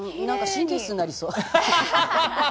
神経質になりそう。